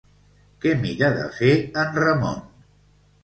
Què mira de fer en Ramon?